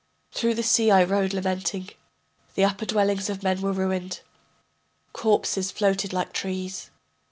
Through the sea I rode lamenting. The upper dwellings of men were ruined, Corpses floated like trees.